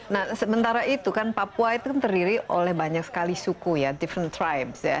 nah sementara itu kan papua itu terdiri oleh banyak sekali suku ya diffense crimes ya